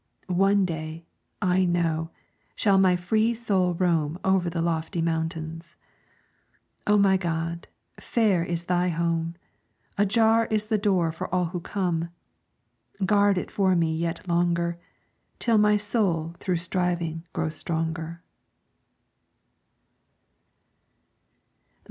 One day, I know, shall my free soul roam Over the lofty mountains. O my God, fair is thy home, Ajar is the door for all who come; Guard it for me yet longer, Till my soul through striving grows stronger.